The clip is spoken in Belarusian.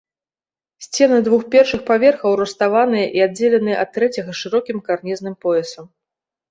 Сцены двух першых паверхаў руставаныя і аддзеленыя ад трэцяга шырокім карнізным поясам.